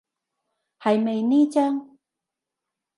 係咪呢張？